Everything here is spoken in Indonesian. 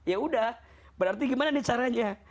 ya udah berarti gimana nih caranya